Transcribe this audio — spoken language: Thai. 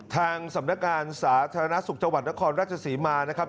ทางสำนักการสาธารณสุขจังหวัดนครราชศรีมานะครับ